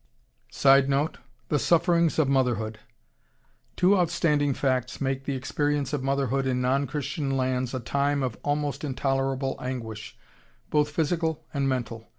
[Sidenote: The sufferings of motherhood.] Two outstanding facts make the experience of motherhood in non Christian lands a time of almost intolerable anguish, both physical and mental.